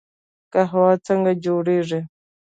قهوه څنګه جوړیږي؟